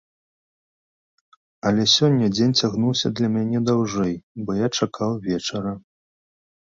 Але сёння дзень цягнуўся для мяне даўжэй, бо я чакаў вечара.